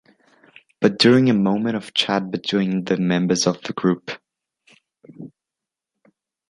Bur during a moment of chat between the members of the group.